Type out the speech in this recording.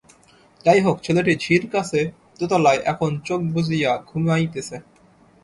যাই হোক ছেলেটি ঝির কাছে দোতলায় এখন চোখ বুঝিয়া ঘুমাইতেছে।